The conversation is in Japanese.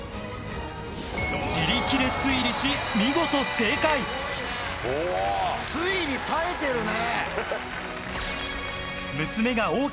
自力で推理し見事正解推理さえてるね！